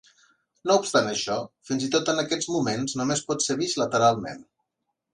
No obstant això, fins i tot en aquests moments només pot ser vist lateralment.